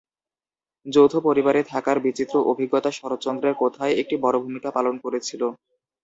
যৌথ পরিবারে থাকার বিচিত্র অভিজ্ঞতা শরৎচন্দ্রের কোথায় একটি বড় ভূমিকা পালন করেছিল?